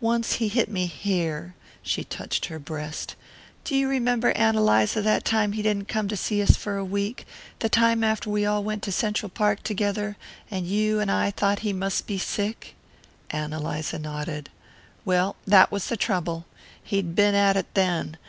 Once he hit me here." She touched her breast. "Do you remember, Ann Eliza, that time he didn't come to see us for a week the time after we all went to Central Park together and you and I thought he must be sick?" Ann Eliza nodded. "Well, that was the trouble he'd been at it then.